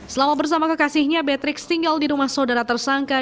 selama bersama kekasihnya patrick tinggal di rumah saudara tersangka